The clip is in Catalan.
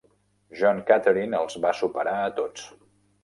John Catherine els va superar a tots.